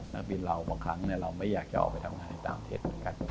นักบินเราบางครั้งเราไม่อยากจะออกไปทำงานต่างประเทศเหมือนกัน